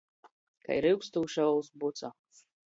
Kai ryugstūša ols buca.